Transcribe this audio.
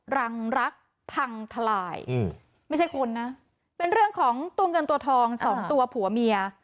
รังรักพังทลายอืมไม่ใช่คนนะเป็นเรื่องของตัวเงินตัวทองสองตัวผัวเมีย